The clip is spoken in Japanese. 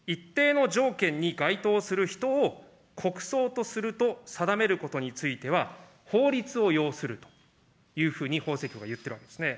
一定の条件に該当する人を国葬とすると定めることについては、法律を要するというふうに法的に言ってるわけですよね。